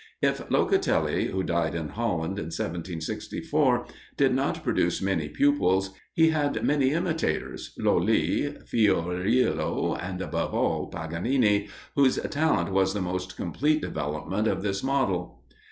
If Locatelli, who died in Holland in 1764, did not produce many pupils, he had many imitators, Lolli, Fiorillo, and above all, Paganini, whose talent was the most complete development of this model.